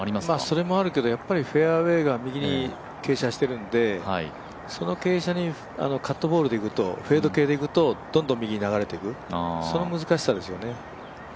それもあるけど、やっぱりフェアウエーが右に傾斜してるんでその傾斜にカットボールで行くと、フェード系で行くとどんどん右に流れていく、その難しさですよね。